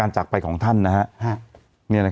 เจ้าของน